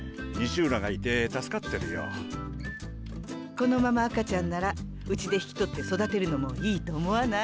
このまま赤ちゃんならうちで引き取って育てるのもいいと思わない？